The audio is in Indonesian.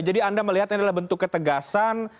jadi anda melihatnya adalah bentuk ketegasan